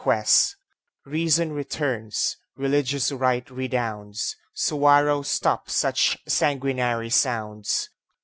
quest. Reason returns, religious right redounds, Suwarrow stops such sanguinary sounds.